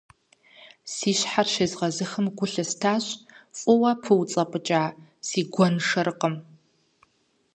Си щхьэр щезгъэзыхым гу лъыстащ фӀыуэ пыуцӀыныкӀа си гуэншэрыкъым.